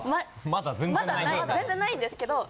まだ全然ないんですけど。